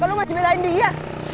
kok lo masih berani dia